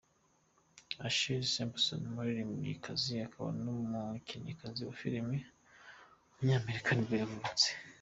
Ashlee Simpson, umuririmbyikazi akaba n’umukinnyikazi wa film w’umunyamerika nibwo yavutse.